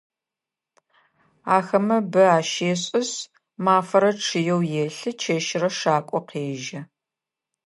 Ахэмэ бы ащешӏышъ, мафэрэ чъыеу елъы, чэщырэ шакӏо къежьэ.